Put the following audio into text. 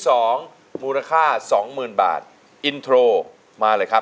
มูลค่าสองหมื่นบาทอินโทรมาเลยครับ